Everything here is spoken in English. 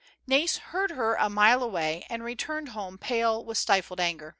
Nais heard her a mile away, and returned home pale with stifled anger.